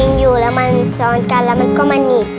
ทิ้งอยู่แล้วมันซ้อนกันแล้วมันก็มาหนีบหลังค่ะ